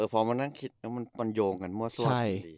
พอมานั่งคิดมันปัญโยงกันมั่วซ่วนดี